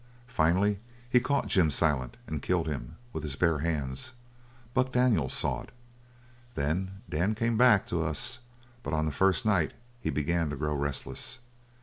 Finally he caught Jim Silent and killed him with his bare hands. Buck Daniels saw it. Then Dan came back to us, but on the first night he began to grow restless.